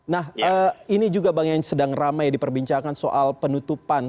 nah ini juga bang yang sedang ramai diperbincangkan soal penutupan